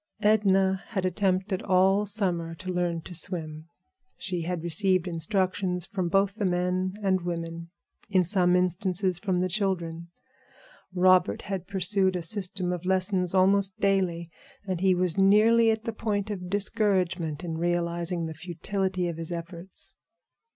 Edna had attempted all summer to learn to swim. She had received instructions from both the men and women; in some instances from the children. Robert had pursued a system of lessons almost daily; and he was nearly at the point of discouragement in realizing the futility of his efforts.